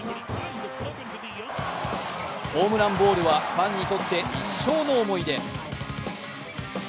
ホームランボールはファンにとって一生の思い出。